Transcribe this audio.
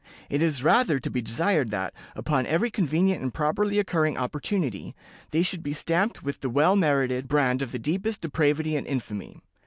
It is rather to be desired that, upon every convenient and properly occurring opportunity, they should be stamped with the well merited brand of the deepest depravity and infamy.